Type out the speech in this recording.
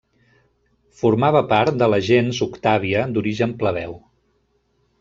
Formava part de la gens Octàvia, d'origen plebeu.